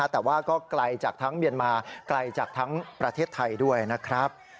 แต่ว่าก็ไกลจากทั้งเมียนมาไกลจากทั้งประเทศไทยด้วยนะครับ